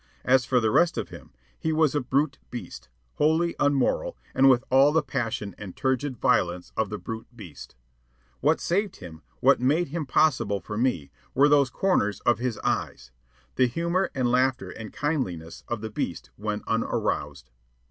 As for the rest of him, he was a brute beast, wholly unmoral, and with all the passion and turgid violence of the brute beast. What saved him, what made him possible for me, were those corners of his eyes the humor and laughter and kindliness of the beast when unaroused.